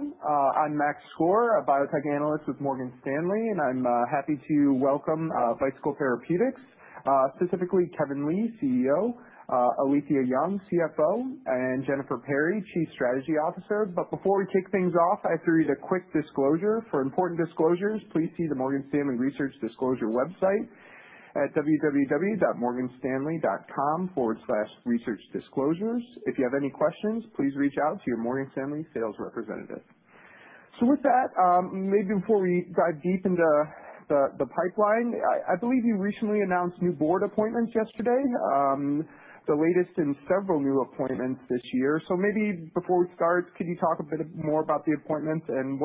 Hello, everyone. I'm Max Skor, a biotech analyst with Morgan Stanley, and I'm happy to welcome Bicycle Therapeutics, specifically Kevin Lee, CEO; Alethia Young, CFO; and Jennifer Perry, Chief Strategy Officer. But before we kick things off, I threw you the quick disclosure. For important disclosures, please see the Morgan Stanley Research Disclosure website at www.morganstanley.com/researchdisclosures. If you have any questions, please reach out to your Morgan Stanley sales representative. So with that, maybe before we dive deep into the pipeline, I believe you recently announced new board appointments yesterday, the latest in several new appointments this year. So maybe before we start, could you talk a bit more about the appointments and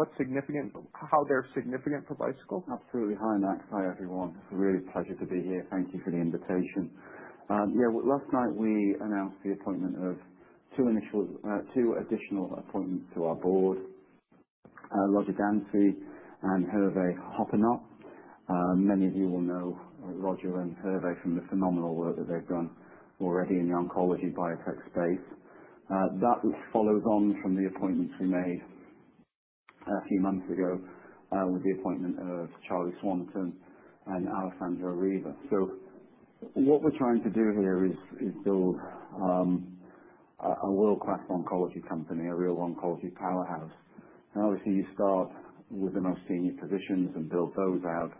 how they're significant for Bicycle? Absolutely. Hi, Max. Hi, everyone. It's a real pleasure to be here. Thank you for the invitation. Yeah, last night we announced the appointment of two additional appointments to our board, Roger Dansey and Hervé Hopinot. Many of you will know Roger and Hervé from the phenomenal work that they've done already in the oncology biotech space. That follows on from the appointments we made a few months ago with the appointment of Charlie Swanton and Alessandro Riva. So what we're trying to do here is build a world-class oncology company, a real oncology powerhouse. And obviously, you start with the most senior positions and build those out.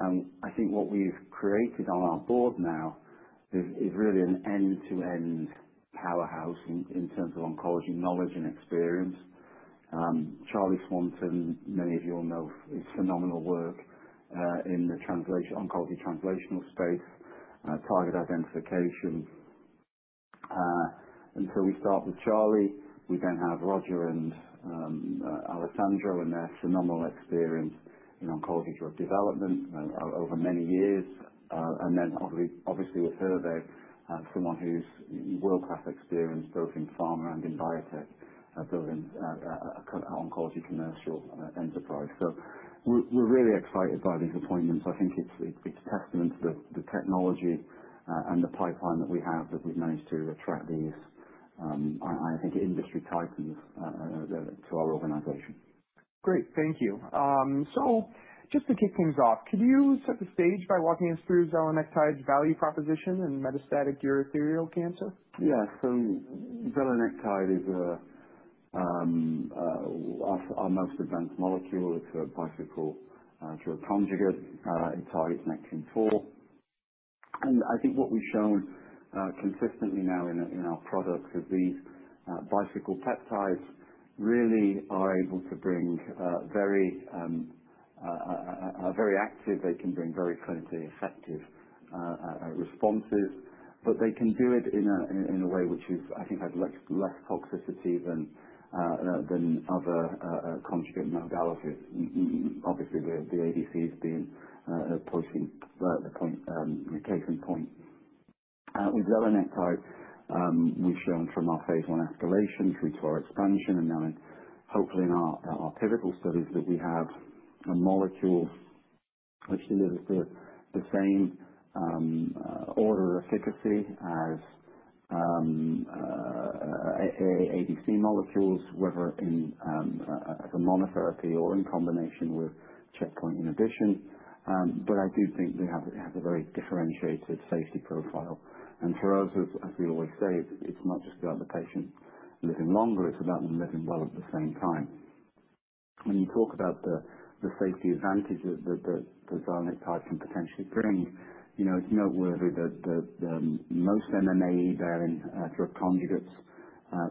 And I think what we've created on our board now is really an end-to-end powerhouse in terms of oncology knowledge and experience. Charlie Swanton, many of you will know, is phenomenal work in the oncology translational space, target identification. And so we start with Charlie. We then have Roger and Alessandro and their phenomenal experience in oncology drug development over many years. And then obviously with Hervé, someone who's world-class experience both in pharma and in biotech, both in oncology commercial enterprise. So we're really excited by these appointments. I think it's a testament to the technology and the pipeline that we have that we've managed to attract these industry titans to our organization. Great. Thank you. So just to kick things off, could you set the stage by walking us through zelanectide pevedotin's value proposition in metastatic urothelial cancer? Yeah. So zelanectide pevedotin is our most advanced molecule. It's a Bicycle drug conjugate. It targets Nectin-4. And I think what we've shown consistently now in our products is these Bicycle peptides really are able to bring very active. They can bring very clinically effective responses. But they can do it in a way which is, I think, has less toxicity than other conjugate modalities. Obviously, the ADC has been a case in point. With zelanectide pevedotin, we've shown from our phase one escalation through to our expansion and now, hopefully, in our pivotal studies that we have a molecule which delivers the same order of efficacy as ADC molecules, whether as a monotherapy or in combination with checkpoint inhibition. But I do think it has a very differentiated safety profile. And for us, as we always say, it's not just about the patient living longer. It's about them living well at the same time. When you talk about the safety advantage that zelanectide pevedotin can potentially bring, it's noteworthy that most MMA bearing drug conjugates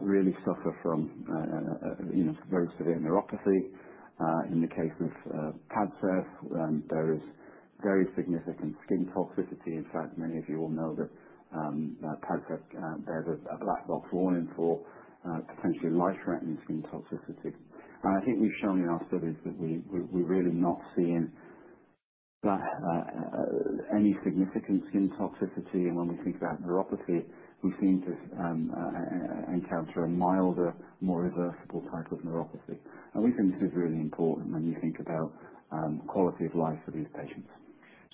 really suffer from very severe neuropathy. In the case of Padcef, there is very significant skin toxicity. In fact, many of you will know that Padcef bears a black box warning for potentially life-threatening skin toxicity. And I think we've shown in our studies that we're really not seeing any significant skin toxicity. And when we think about neuropathy, we seem to encounter a milder, more reversible type of neuropathy. And we think this is really important when you think about quality of life for these patients.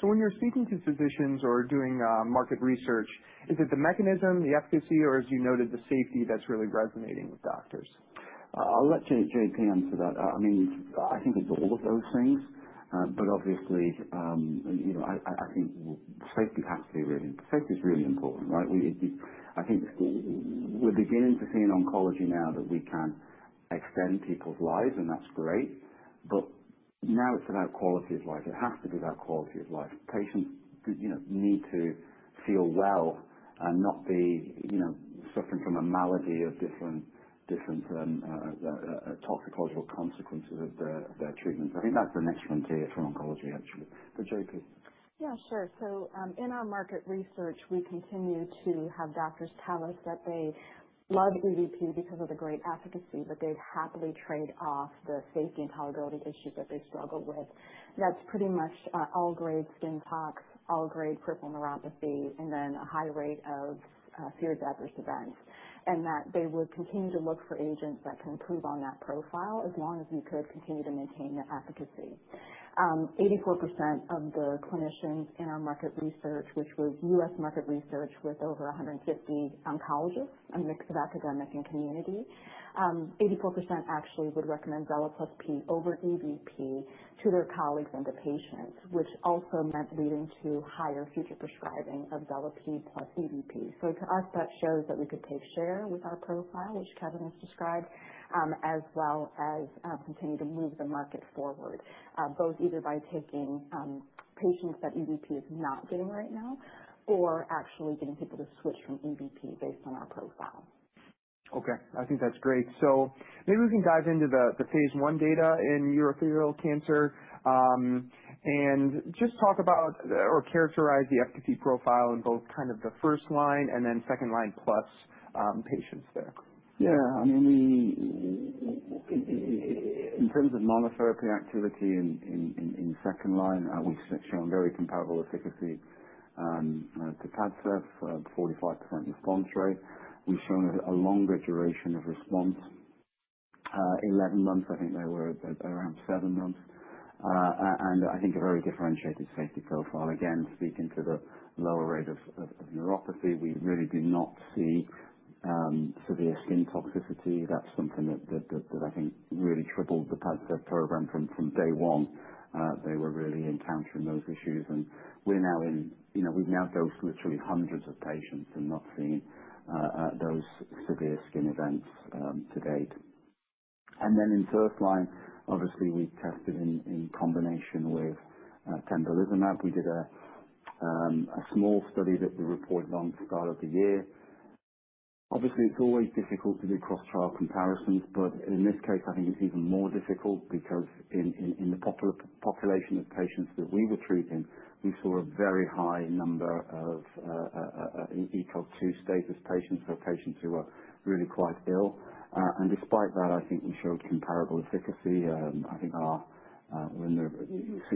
So when you're speaking to physicians or doing market research, is it the mechanism, the efficacy, or, as you noted, the safety that's really resonating with doctors? I'll let JP answer that. I mean, I think it's all of those things. But obviously, I think safety has to be really, safety is really important, right? I think we're beginning to see in oncology now that we can extend people's lives, and that's great. But now it's about quality of life. It has to be about quality of life. Patients need to feel well and not be suffering from a malady of different toxicological consequences of their treatments. I think that's the next frontier for oncology, actually. But JP. Yeah, sure. So in our market research, we continue to have doctors tell us that they love Padcef because of the great efficacy, but they'd happily trade off the safety and tolerability issues that they struggle with. That's pretty much all-grade skin tox, all-grade peripheral neuropathy, and then a high rate of severe adverse events, and that they would continue to look for agents that can improve on that profile as long as we could continue to maintain that efficacy. 84% of the clinicians in our market research, which was U.S. market research with over 150 oncologists, a mix of academic and community, 84% actually would recommend zelanectide pevedotin over Padcef to their colleagues and the patients, which also meant leading to higher future prescribing of zelanectide pevedotin plus Padcef. To us, that shows that we could take share with our profile, which Kevin has described, as well as continue to move the market forward, both either by taking patients that EVP is not getting right now or actually getting people to switch from EVP based on our profile. Okay. I think that's great. So maybe we can dive into the phase 1 data in urothelial cancer and just talk about or characterize the efficacy profile in both kind of the first line and then second line plus patients there. Yeah. I mean, in terms of monotherapy activity in second line, we've shown very comparable efficacy to Padcef, 45% response rate. We've shown a longer duration of response, 11 months. I think they were around 7 months. And I think a very differentiated safety profile. Again, speaking to the lower rate of neuropathy, we really did not see severe skin toxicity. That's something that I think really tripled the Padcef program from day one. They were really encountering those issues. And we've now dosed literally hundreds of patients and not seen those severe skin events to date. And then in first line, obviously, we tested in combination with pembrolizumab. We did a small study that we reported on at the start of the year. Obviously, it's always difficult to do cross-trial comparisons, but in this case, I think it's even more difficult because in the population of patients that we were treating, we saw a very high number of ECOG 2 status patients, so patients who were really quite ill. And despite that, I think we showed comparable efficacy. I think our 65%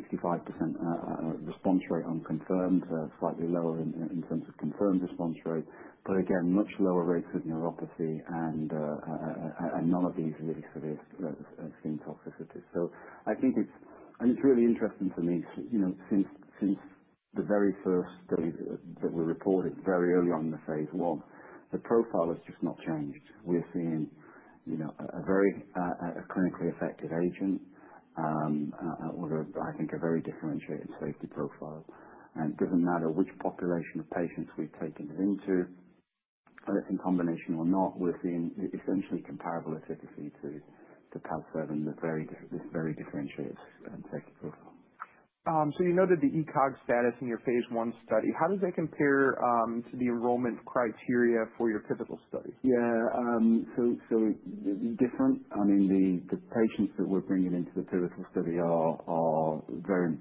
response rate on confirmed, slightly lower in terms of confirmed response rate, but again, much lower rates of neuropathy and none of these really severe skin toxicities. So I think it's, and it's really interesting to me since the very first study that we reported very early on in the phase one, the profile has just not changed. We're seeing a very clinically effective agent with, I think, a very differentiated safety profile. It doesn't matter which population of patients we take it into, whether it's in combination or not, we're seeing essentially comparable efficacy to Padcef and this very differentiated safety profile. You noted the ECOG status in your phase one study. How does that compare to the enrollment criteria for your pivotal study? Yeah. So different. I mean, the patients that we're bringing into the pivotal study are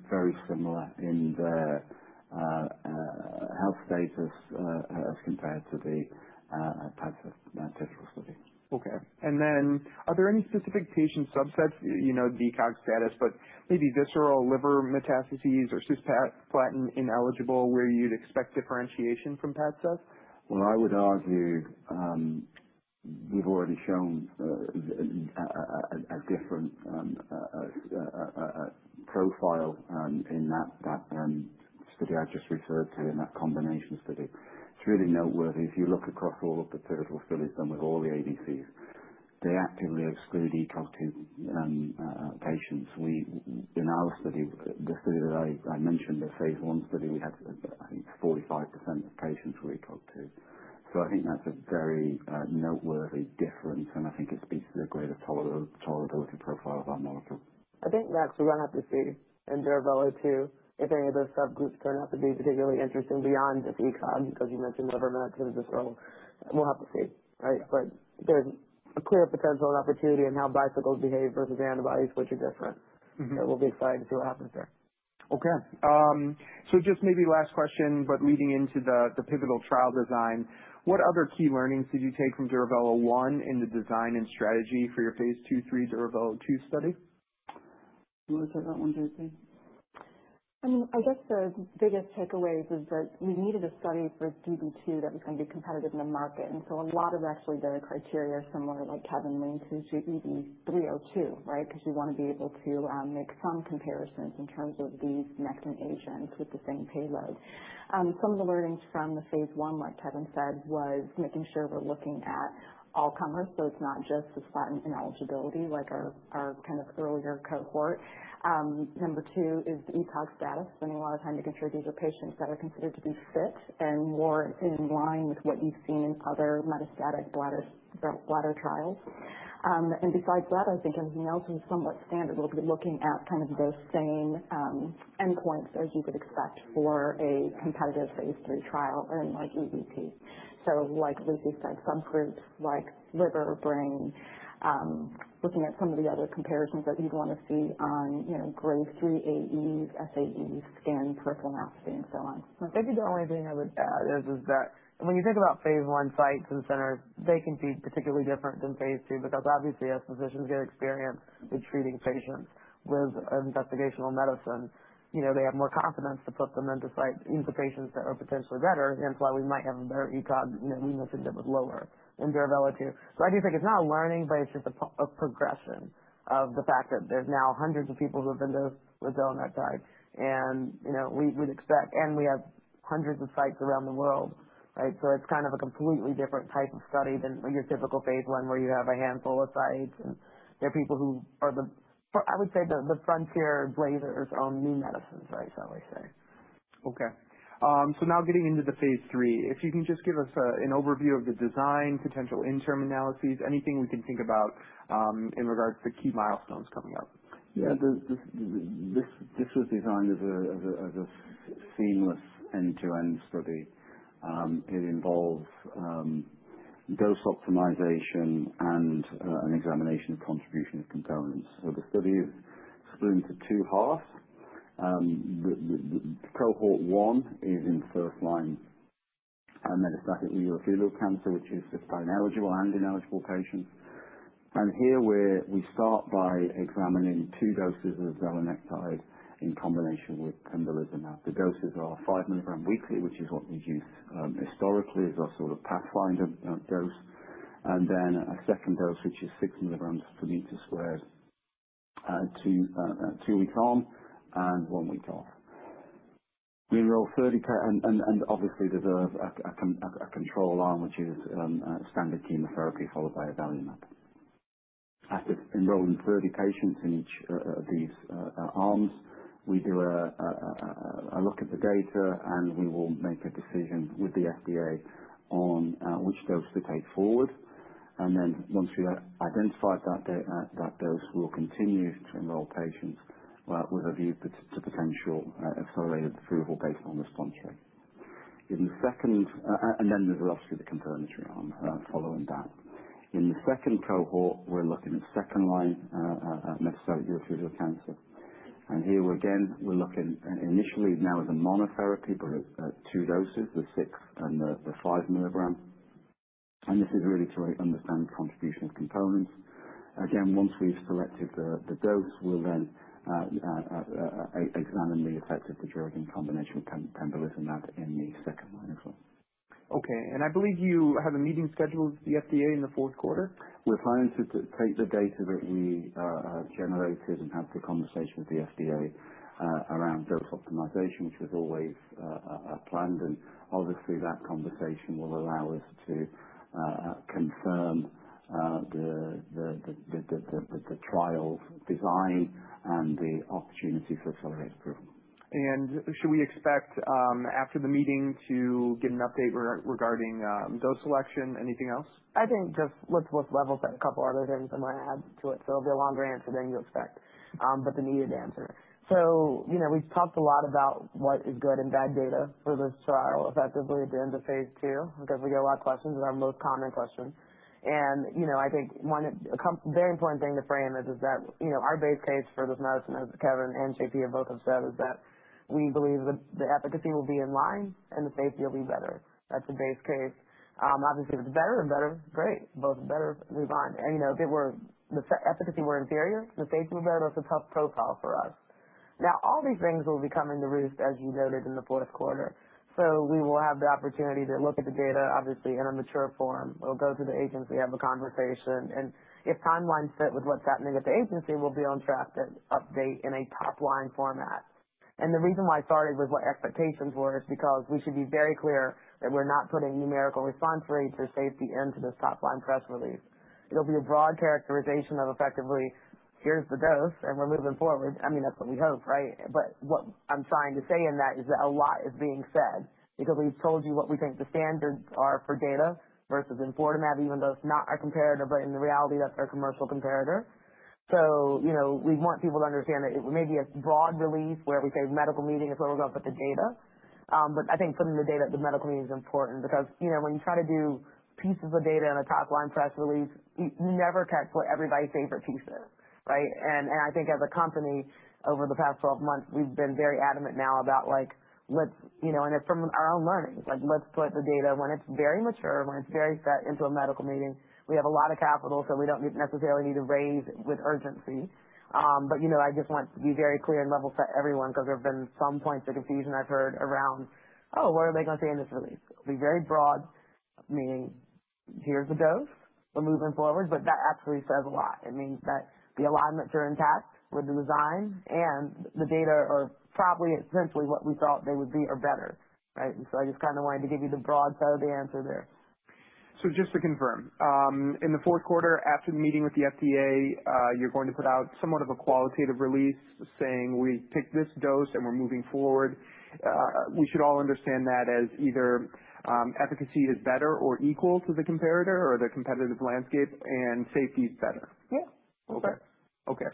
very similar in their health status as compared to the Padcef pivotal study. Okay. And then are there any specific patient subsets, the ECOG status, but maybe visceral liver metastases or cisplatin ineligible where you'd expect differentiation from Padcef? I would argue we've already shown a different profile in that study I just referred to, in that combination study. It's really noteworthy if you look across all of the pivotal studies done with all the ADCs. They actively exclude ECOG2 patients. In our study, the study that I mentioned, the phase one study, we had, I think, 45% of patients were ECOG2. So I think that's a very noteworthy difference, and I think it speaks to the greater tolerability profile of our molecule. I think next we're going to have to see in Duravelo-2, if any of those subgroups turn out to be particularly interesting beyond just ECOG, because you mentioned liver metastasis and visceral. We'll have to see, right? But there's a clear potential and opportunity in how bicycles behave versus antibodies, which are different. So we'll be excited to see what happens there. Okay. So just maybe last question, but leading into the pivotal trial design, what other key learnings did you take from Duravelo-1 in the design and strategy for your phase 2/3 Duravelo-2 study? You want to take that one, JP? I mean, I guess the biggest takeaway is that we needed a study for Duravelo-2 that was going to be competitive in the market. And so a lot of actually the criteria are similar, like Kevin linked to Duravelo-3, right? Because we want to be able to make some comparisons in terms of these Nectin-4 agents with the same payload. Some of the learnings from the phase one, like Kevin said, was making sure we're looking at all comers, so it's not just cisplatin ineligibility like our kind of earlier cohort. Number two is the ECOG status, spending a lot of time making sure these are patients that are considered to be fit and more in line with what you've seen in other metastatic bladder trials. And besides that, I think everything else was somewhat standard. We'll be looking at kind of those same endpoints, as you would expect, for a competitive phase 3 trial in EVP. So like you said, subgroups like liver, brain, looking at some of the other comparisons that you'd want to see on grade 3 AEs, SAEs, skin, peripheral neuropathy, and so on. I think the only thing I would add is that when you think about phase 1 sites and centers, they can be particularly different than phase 2 because obviously, as physicians get experience with treating patients with investigational medicine, they have more confidence to put them into patients that are potentially better. Hence why we might have a better ECOG. We mentioned it was lower in Duravelo-2. So I do think it's not a learning, but it's just a progression of the fact that there's now hundreds of people who have been with zelanectide pevedotin. And we'd expect, and we have hundreds of sites around the world, right? So it's kind of a completely different type of study than your typical phase 1 where you have a handful of sites, and there are people who are, I would say, the trailblazers on new medicines, right? Shall we say? Okay. So now getting into the phase three, if you can just give us an overview of the design, potential interim analyses, anything we can think about in regards to key milestones coming up? Yeah. This was designed as a seamless end-to-end study. It involves dose optimization and an examination of contribution of components. So the study is split into two halves. Cohort one is in first line metastatic urothelial cancer, which is cisplatin eligible and ineligible patients. And here we start by examining two doses of zelanectide pevedotin in combination with pembrolizumab. The doses are five milligrams weekly, which is what we've used historically as our sort of pathfinder dose. And then a second dose, which is six milligrams per meter squared two weeks on and one week off. We enroll 30, and obviously, there's a control arm, which is standard chemotherapy followed by avelumab. After enrolling 30 patients in each of these arms, we do a look at the data, and we will make a decision with the FDA on which dose to take forward. And then once we've identified that dose, we'll continue to enroll patients with a view to potential accelerated approval based on response rate. And then there's obviously the confirmatory arm following that. In the second cohort, we're looking at second line metastatic urothelial cancer. And here again, we're looking initially now as a monotherapy, but at two doses, the six and the five milligram. And this is really to understand contribution of components. Again, once we've selected the dose, we'll then examine the effect of the drug in combination with pembrolizumab in the second line as well. Okay, and I believe you have a meeting scheduled with the FDA in the fourth quarter. We're planning to take the data that we generated and have the conversation with the FDA around dose optimization, which was always planned, and obviously, that conversation will allow us to confirm the trial design and the opportunity for accelerated approval. Should we expect after the meeting to get an update regarding dose selection? Anything else? I think just let's level set a couple other things I want to add to it, so it'll be a longer answer than you expect, but the needed answer, so we've talked a lot about what is good and bad data for this trial effectively at the end of phase two because we get a lot of questions. Those are our most common questions, and I think one very important thing to frame is that our base case for this medicine, as Kevin and JP have both said, is that we believe the efficacy will be in line and the safety will be better. That's the base case. Obviously, if it's better and better, great. Both are better. Move on. If the efficacy were inferior, the safety were better, that's a tough profile for us. Now, all these things will be coming to roost, as you noted, in the fourth quarter. So we will have the opportunity to look at the data, obviously, in a mature form. We'll go to the agency, have a conversation. And if timelines fit with what's happening at the agency, we'll be on track to update in a top-line format. And the reason why I started with what expectations were is because we should be very clear that we're not putting numerical response rates or safety into this top-line press release. It'll be a broad characterization of effectively, "Here's the dose, and we're moving forward." I mean, that's what we hope, right? But what I'm trying to say in that is that a lot is being said because we've told you what we think the standards are for data versus Enfortumab, even though it's not our comparator, but in reality, that's our commercial comparator. So we want people to understand that it may be a broad release where we say medical meeting is where we're going to put the data. But I think putting the data at the medical meeting is important because when you try to do pieces of data in a top-line press release, you never catch what everybody's favorite piece is, right? And I think as a company, over the past 12 months, we've been very adamant now about, "Let's-" and it's from our own learnings. Let's put the data when it's very mature, when it's very set into a medical meeting. We have a lot of capital, so we don't necessarily need to raise with urgency. But I just want to be very clear and level set everyone because there have been some points of confusion I've heard around, "Oh, what are they going to say in this release?" It'll be very broad, meaning, "Here's the dose. We're moving forward." But that actually says a lot. It means that the alignments are intact with the design, and the data are probably essentially what we thought they would be or better, right? And so I just kind of wanted to give you the broad side of the answer there. So just to confirm, in the fourth quarter, after the meeting with the FDA, you're going to put out somewhat of a qualitative release saying, "We picked this dose, and we're moving forward." We should all understand that as either efficacy is better or equal to the comparator or the competitive landscape, and safety is better. Yes. Okay. Okay.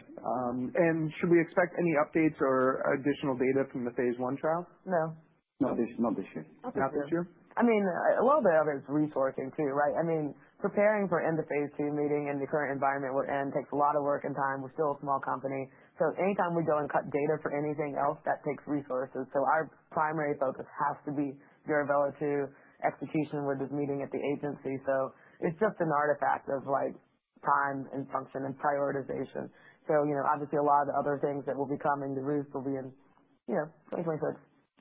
And should we expect any updates or additional data from the phase one trial? No. Not this year. Not this year? I mean, a little bit of it is resourcing too, right? I mean, preparing for end-of-phase 2 meeting in the current environment we're in takes a lot of work and time. We're still a small company. So anytime we go and cut data for anything else, that takes resources. So our primary focus has to be Duravelo-2 execution with this meeting at the agency. So it's just an artifact of time and function and prioritization. So obviously, a lot of other things that will be coming to roost will be in 2026.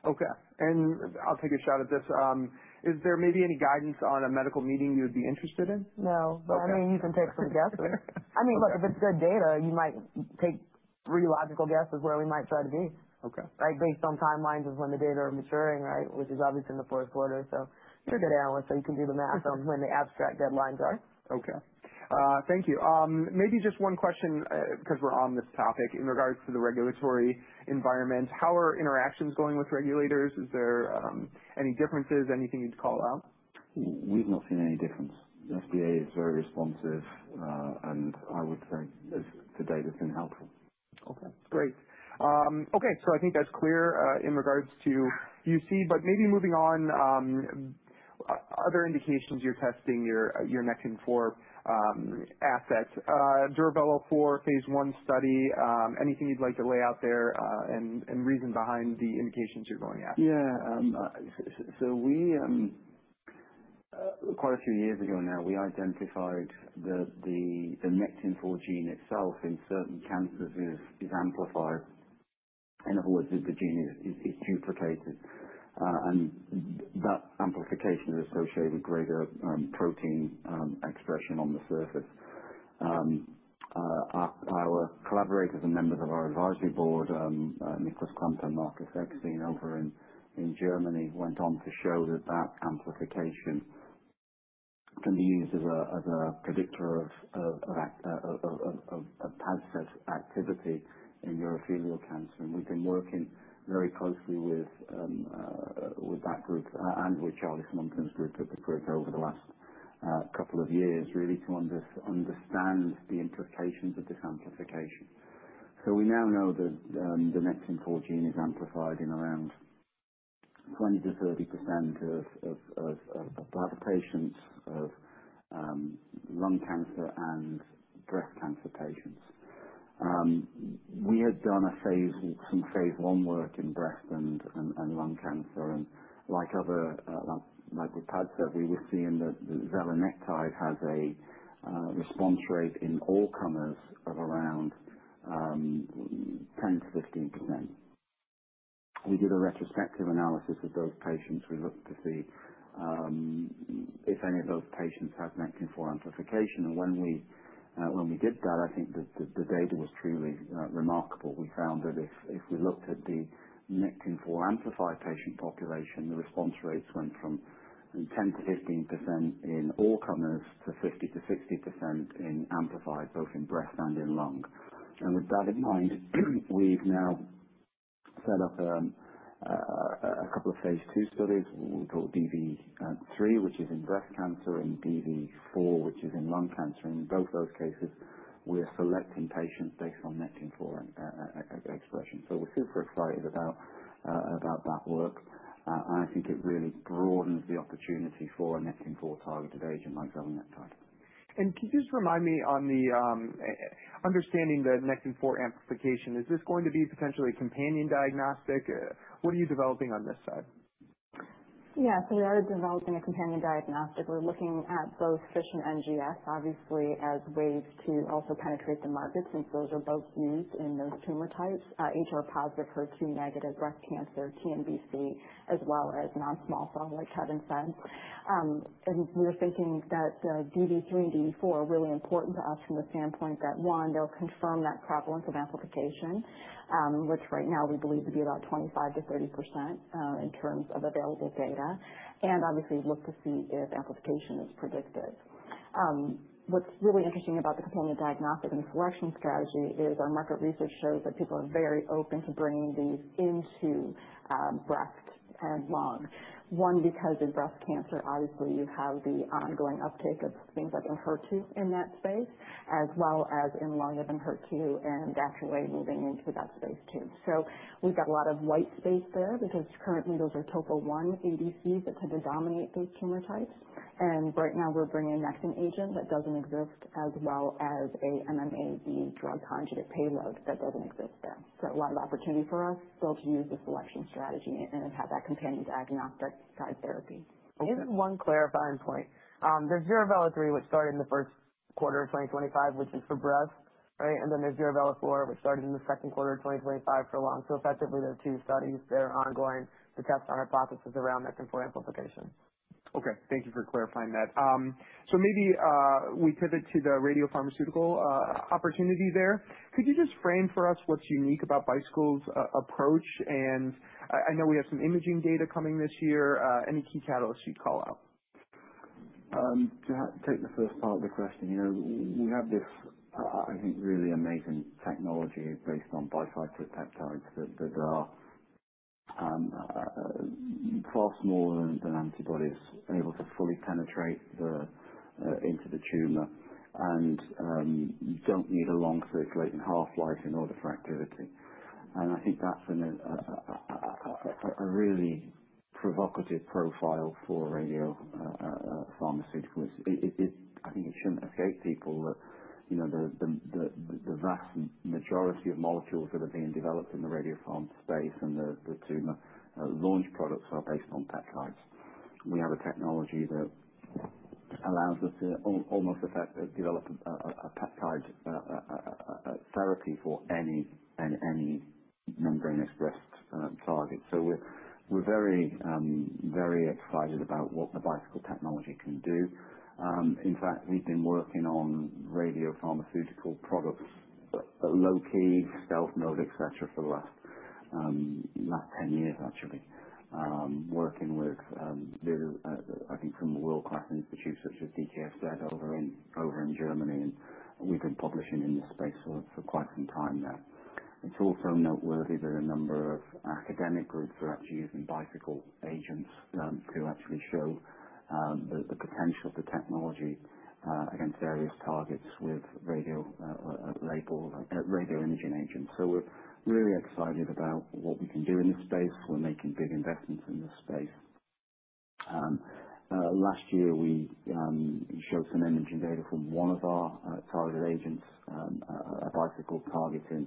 Okay. And I'll take a shot at this. Is there maybe any guidance on a medical meeting you'd be interested in? No, but I mean, you can take some guesses. I mean, look, if it's good data, you might take three logical guesses where we might try to be, right, based on timelines of when the data are maturing, right, which is obviously in the fourth quarter, so you're a good analyst, so you can do the math on when the abstract deadlines are. Okay. Thank you. Maybe just one question because we're on this topic in regards to the regulatory environment. How are interactions going with regulators? Is there any differences, anything you'd call out? We've not seen any difference. The FDA is very responsive, and I would say the data has been helpful. Okay. Great. Okay. So I think that's clear in regards to UC. But maybe moving on, other indications you're testing your Nectin-4 assets, Duravelo-4 phase one study, anything you'd like to lay out there and reason behind the indications you're going after? Yeah. So quite a few years ago now, we identified that the Nectin-4 gene itself in certain cancers is amplified. In other words, the gene is duplicated, and that amplification is associated with greater protein expression on the surface. Our collaborators and members of our advisory board, Niklas Klümper and Markus Eckstein over in Germany, went on to show that that amplification can be used as a predictor of Padcef activity in urothelial cancer. And we've been working very closely with that group and with Charles Swanton's group at the Crick over the last couple of years, really, to understand the implications of this amplification. So we now know that the Nectin-4 gene is amplified in around 20%-30% of patients of lung cancer and breast cancer patients. We had done some phase 1 work in breast and lung cancer. Like PASS said, we were seeing that the zelanectide pevedotin has a response rate in all comers of around 10%-15%. We did a retrospective analysis of those patients. We looked to see if any of those patients have Nectin-4 amplification. When we did that, I think the data was truly remarkable. We found that if we looked at the Nectin-4 amplified patient population, the response rates went from 10%-15% in all comers to 50%-60% in amplified, both in breast and in lung. With that in mind, we've now set up a couple of phase 2 studies. We've got Duravelo-3, which is in breast cancer, and Duravelo-4, which is in lung cancer. In both those cases, we're selecting patients based on Nectin-4 expression. We're super excited about that work. And I think it really broadens the opportunity for a Nectin-4 targeted agent like zelanectide pevedotin. Can you just remind me on understanding the Nectin-4 amplification? Is this going to be potentially a companion diagnostic? What are you developing on this side? Yeah. So we are developing a companion diagnostic. We're looking at both FISH and NGS, obviously, as ways to also penetrate the market since those are both used in those tumor types: HR positive, HER2 negative, breast cancer, TNBC, as well as non-small cell, like Kevin said, and we're thinking that DV3 and DV4 are really important to us from the standpoint that, one, they'll confirm that prevalence of amplification, which right now we believe to be about 25%-30% in terms of available data, and obviously, look to see if amplification is predicted. What's really interesting about the companion diagnostic and the selection strategy is our market research shows that people are very open to bringing these into breast and lung. One, because in breast cancer, obviously, you have the ongoing uptake of things like Enhertu in that space, as well as in lung of Enhertu and actually moving into that space too. So we've got a lot of white space there because currently, those are topo-1 ADCs that tend to dominate those tumor types. And right now, we're bringing a Nectin-4 agent that doesn't exist, as well as a MMAE drug conjugate payload that doesn't exist there. So a lot of opportunity for us still to use the selection strategy and have that companion diagnostic guide therapy. One clarifying point. There's Duravelo-3, which started in the first quarter of 2025, which is for breast, right? Then there's Duravelo-4, which started in the second quarter of 2025 for lung. Effectively, there are two studies. They're ongoing to test our hypothesis around Nectin-4 amplification. Okay. Thank you for clarifying that. Maybe we pivot to the radiopharmaceutical opportunity there. Could you just frame for us what's unique about Bicycle's approach? And I know we have some imaging data coming this year. Any key catalysts you'd call out? To take the first part of the question, we have this, I think, really amazing technology based on Bicycle peptides that are far smaller than antibodies, able to fully penetrate into the tumor and don't need a long circulating half-life in order for activity, and I think that's a really provocative profile for radiopharmaceuticals. I think it shouldn't escape people that the vast majority of molecules that are being developed in the radiopharma space and the tumor launch products are based on peptides. We have a technology that allows us to almost develop a peptide therapy for any membrane-bound target, so we're very, very excited about what the Bicycle technology can do. In fact, we've been working on radiopharmaceutical products at low-key, stealth mode, etc., for the last 10 years, actually, working with, I think, some world-class institutes such as DKFZ over in Germany. We've been publishing in this space for quite some time now. It's also noteworthy that a number of academic groups are actually using Bicycle agents to actually show the potential of the technology against various targets with radio imaging agents. We're really excited about what we can do in this space. We're making big investments in this space. Last year, we showed some imaging data from one of our targeted agents, a Bicycle targeting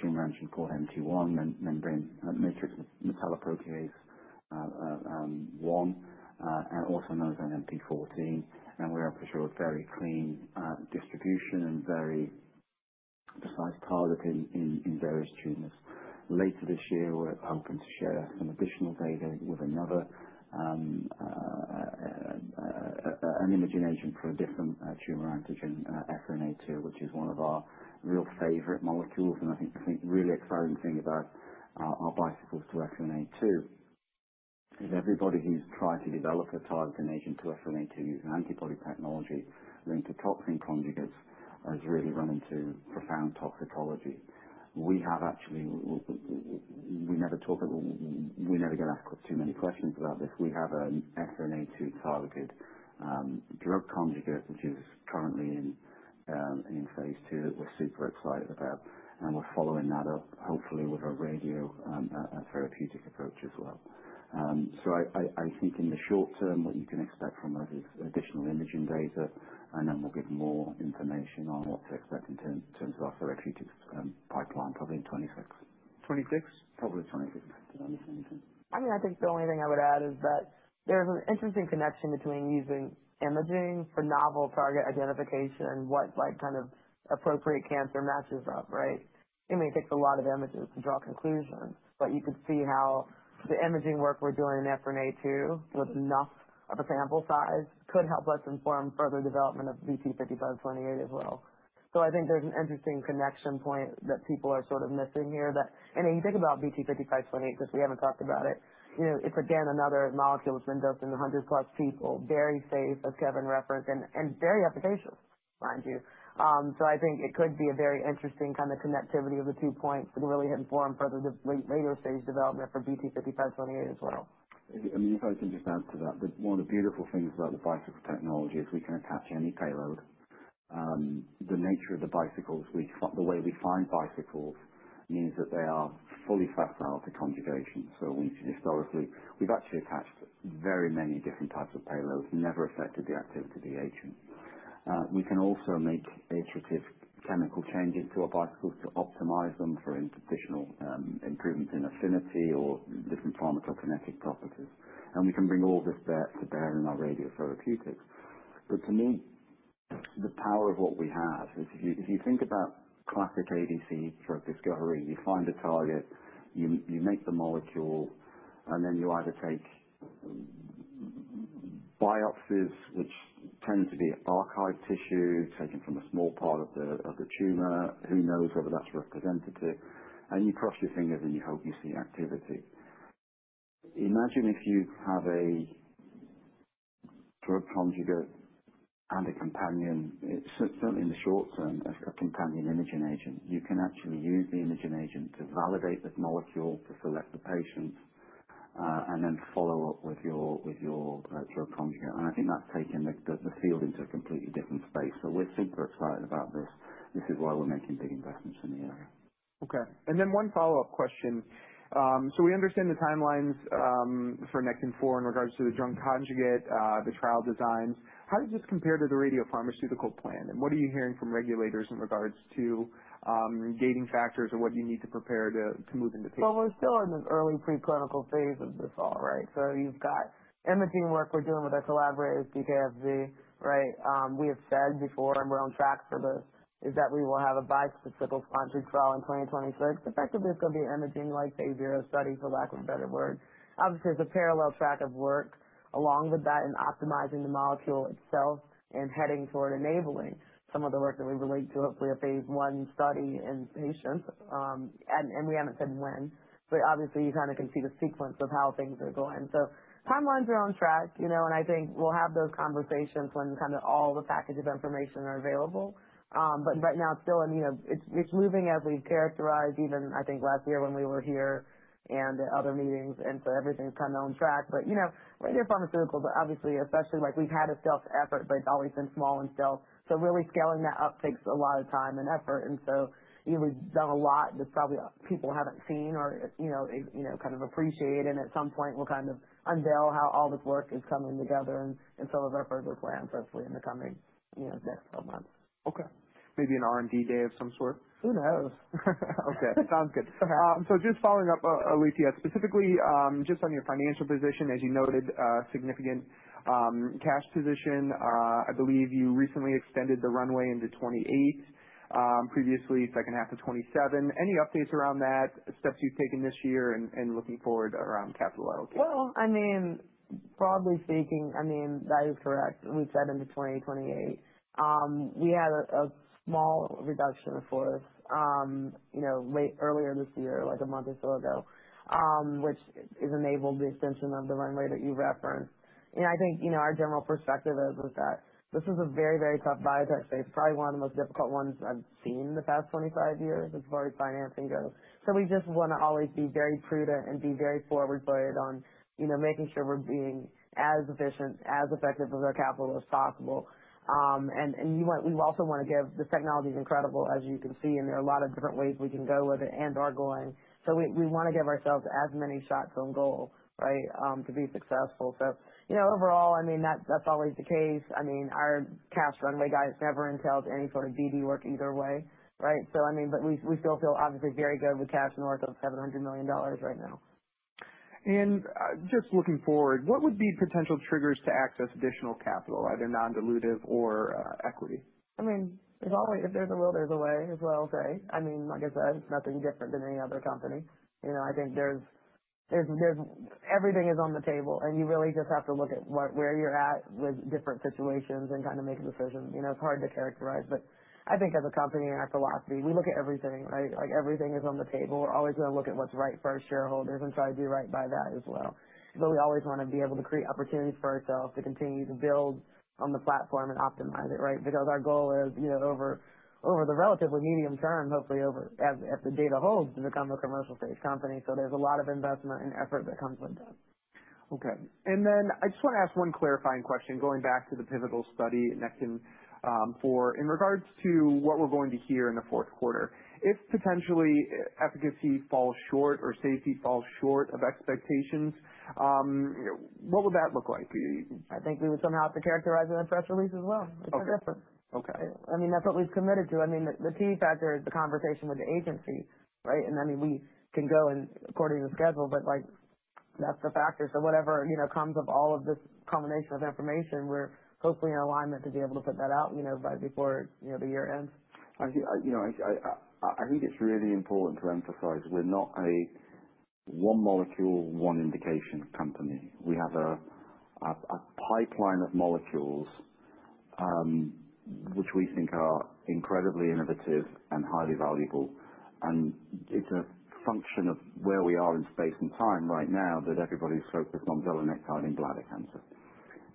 tumor antigen called MT1-MMP, matrix metalloproteinase-14, also known as MMP14. We're able to show a very clean distribution and very precise targeting in various tumors. Later this year, we're hoping to share some additional data with an imaging agent for a different tumor antigen, EphA2, which is one of our real favorite molecules. And I think the really exciting thing about our Bicycles to EphA2 is everybody who's tried to develop a targeting agent to EphA2 using antibody technology linked to toxin conjugates has really run into profound toxicology. We never talk about it. We never get asked too many questions about this. We have an EphA2 targeted drug conjugate, which is currently in phase 2 that we're super excited about. And we're following that up, hopefully, with a radiotherapeutic approach as well. So I think in the short term, what you can expect from us is additional imaging data, and then we'll give more information on what to expect in terms of our therapeutic pipeline, probably in 2026. 26? Probably 26. I mean, I think the only thing I would add is that there's an interesting connection between using imaging for novel target identification and what kind of appropriate cancer matches up, right? I mean, it takes a lot of images to draw conclusions, but you could see how the imaging work we're doing in EphA2 with enough of a sample size could help us inform further development of BT5528 as well. So I think there's an interesting connection point that people are sort of missing here that, and if you think about BT5528, because we haven't talked about it, it's again another molecule that's been dosed in 100-plus people, very safe, as Kevin referenced, and very efficacious, mind you. So I think it could be a very interesting kind of connectivity of the two points that can really inform further later stage development for BT5528 as well. I mean, if I can just add to that, one of the beautiful things about the Bicycle technology is we can attach any payload. The nature of the Bicycles, the way we find Bicycles, means that they are fully facile to conjugation. So we've actually attached very many different types of payloads, never affected the activity of the agent. We can also make iterative chemical changes to our Bicycles to optimize them for additional improvements in affinity or different pharmacokinetic properties, and we can bring all this to bear in our radiotherapeutics. But to me, the power of what we have is if you think about classic ADC drug discovery, you find a target, you make the molecule, and then you either take biopsies, which tend to be archived tissue taken from a small part of the tumor, who knows whether that's representative, and you cross your fingers and you hope you see activity. Imagine if you have a drug conjugate and a companion, certainly in the short term, a companion imaging agent. You can actually use the imaging agent to validate this molecule, to select the patient, and then follow up with your drug conjugate. And I think that's taken the field into a completely different space. So we're super excited about this. This is why we're making big investments in the area. Okay. And then one follow-up question. So we understand the timelines for Nectin-4 in regards to the drug conjugate, the trial designs. How does this compare to the radiopharmaceutical plan? And what are you hearing from regulators in regards to gating factors or what you need to prepare to move into? We're still in the early preclinical phase of this all, right? So you've got imaging work we're doing with our collaborators, DKFZ, right? We have said before and we're on track for the IND. That is, we will have a Bicycle Radio Conjugate-2 trial in 2026. Effectively, it's going to be an imaging-like, say, zero study, for lack of a better word. Obviously, there's a parallel track of work along with that in optimizing the molecule itself and heading toward enabling some of the work that we relate to, hopefully, a phase 1 study in patients. We haven't said when, but obviously, you kind of can see the sequence of how things are going, so timelines are on track. I think we'll have those conversations when kind of all the packages of information are available. But right now, it's still in its moving, as we've characterized even, I think, last year when we were here and at other meetings. And so everything's kind of on track. But radiopharmaceuticals, obviously, especially, like, we've had a stealth effort, but it's always been small and stealth. So really scaling that up takes a lot of time and effort. And so we've done a lot that probably people haven't seen or kind of appreciated. And at some point, we'll kind of unveil how all this work is coming together and some of our further plans, hopefully, in the coming next 12 months. Okay. Maybe an R&D day of some sort? Who knows? Okay. Sounds good. So just following up, Alethia, specifically just on your financial position, as you noted, significant cash position. I believe you recently extended the runway into 2028. Previously, second half of 2027. Any updates around that, steps you've taken this year, and looking forward around capital allocation? I mean, broadly speaking, I mean, that is correct. We said into 2028. We had a small reduction of force earlier this year, like a month or so ago, which has enabled the extension of the runway that you referenced. And I think our general perspective is that this is a very, very tough biotech space, probably one of the most difficult ones I've seen in the past 25 years as far as financing goes. So we just want to always be very prudent and be very forward-loaded on making sure we're being as efficient, as effective of our capital as possible. And we also want to give this technology. It's incredible, as you can see, and there are a lot of different ways we can go with it and are going. So we want to give ourselves as many shots on goal, right, to be successful. So overall, I mean, that's always the case. I mean, our cash runway guide never entails any sort of BD work either way, right? So I mean, but we still feel, obviously, very good with cash north of $700 million right now. Just looking forward, what would be potential triggers to access additional capital, either non-dilutive or equity? I mean, there's always, if there's a will, there's a way as well, right? I mean, like I said, it's nothing different than any other company. I think everything is on the table, and you really just have to look at where you're at with different situations and kind of make a decision. It's hard to characterize, but I think as a company and our philosophy, we look at everything, right? Everything is on the table. We're always going to look at what's right for our shareholders and try to do right by that as well. But we always want to be able to create opportunities for ourselves to continue to build on the platform and optimize it, right? Because our goal is over the relatively medium term, hopefully, if the data holds, to become a commercial-stage company. So there's a lot of investment and effort that comes with that. Okay. And then I just want to ask one clarifying question going back to the pivotal study in Nectin-4 in regards to what we're going to hear in the fourth quarter. If potentially efficacy falls short or safety falls short of expectations, what would that look like? I think we would somehow have to characterize it in a press release as well. It's a difference. I mean, that's what we've committed to. I mean, the key factor is the conversation with the agency, right? And I mean, we can go according to the schedule, but that's the factor. So whatever comes of all of this combination of information, we're hopefully in alignment to be able to put that out right before the year ends. I think it's really important to emphasize we're not a one molecule, one indication company. We have a pipeline of molecules which we think are incredibly innovative and highly valuable. And it's a function of where we are in space and time right now that everybody's focused on zelanectide pevedotin in bladder cancer.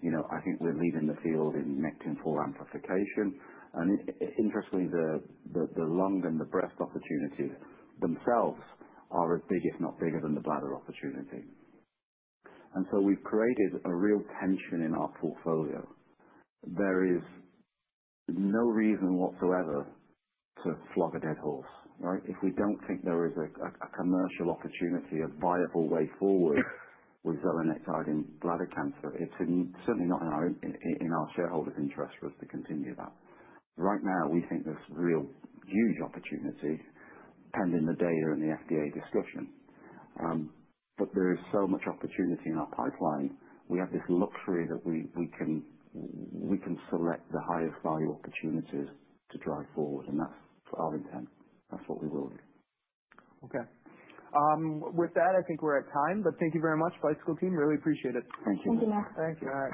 I think we're leading the field in Nectin-4 amplification. And interestingly, the lung and the breast opportunities themselves are as big, if not bigger, than the bladder opportunity. And so we've created a real tension in our portfolio. There is no reason whatsoever to flog a dead horse, right? If we don't think there is a commercial opportunity, a viable way forward with zelanectide pevedotin in bladder cancer, it's certainly not in our shareholders' interest for us to continue that. Right now, we think there's real huge opportunity pending the data and the FDA discussion. But there is so much opportunity in our pipeline. We have this luxury that we can select the highest value opportunities to drive forward. And that's our intent. That's what we will do. Okay. With that, I think we're at time. But thank you very much, Bicycle Team. Really appreciate it. Thank you. Thank you, Max. Thank you, Max.